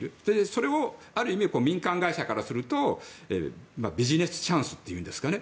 それをある意味民間会社からするとビジネスチャンスというんですかね